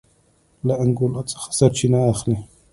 له انګولا څخه سرچینه اخلي.